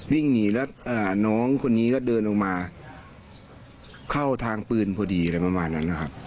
วิ่งหนีแล้วน้องคนนี้ก็เดินลงมาเข้าทางปืนพอดีอะไรประมาณนั้นนะครับ